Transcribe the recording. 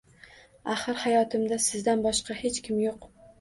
Axir, hayotimda sizdan boshqa hech kim yoʻq!